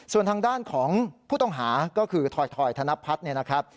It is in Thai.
ส่วนทางด้านของผู้ต้องหาก็คือถอยธนับพัฒน์